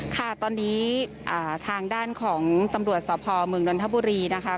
ค่ะตอนนี้ทางด้านของตำรวจสพเมืองนนทบุรีนะคะ